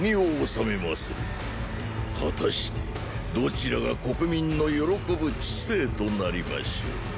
果たしてどちらが国民の喜ぶ治世となりましょう。